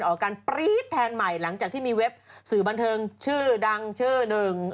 ออกการปรี๊ดแทนใหม่หลังจากที่มีเว็บสื่อบันเทิงชื่อดังชื่อหนึ่ง